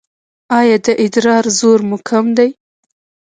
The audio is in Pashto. ایا د ادرار زور مو کم دی؟